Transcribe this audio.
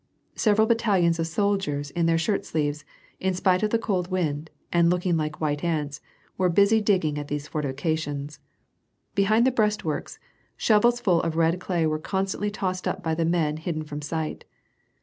Several battalions of soldiers in their shirt sleeves, in spite of the cold wind, and looking like white ants, were busy digging at these fortifications. Behind the breastworks, shovelfuls of red clay were constantly tossed ^p by men hidden from sight.